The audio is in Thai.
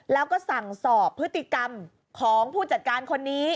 แล้วก็สั่งสอบพฤติกรรมของผู้จัดการคนนี้